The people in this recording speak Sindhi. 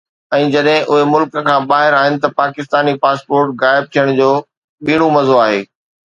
۽ جڏهن اهي ملڪ کان ٻاهر آهن ته پاڪستاني پاسپورٽ غائب ٿيڻ جو ٻيڻو مزو آهي